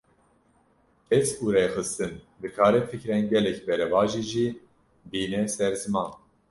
Kes û rêxistin, dikare fikrên gelek beravajî jî bîne ser ziman